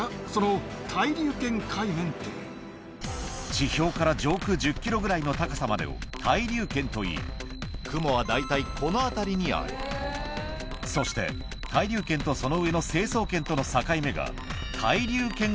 地表から上空１０ｋｍぐらいの高さまでを対流圏といい雲は大体この辺りにあるそして対流圏とその上の成層圏との境目がだ